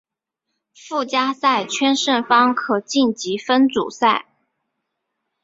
附加赛圈胜方可晋级分组赛。